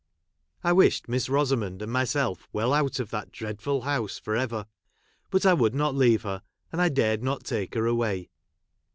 I wished Miss Rosamond and my¬ self Avell out of that dreadful house for ever ; but I woAxld not leave her, and I dared not take her away.